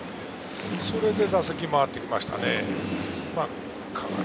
それで打席が回ってきました。